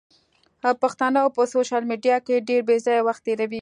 پښتانه په سوشل ميډيا کې ډېر بېځايه وخت تيروي.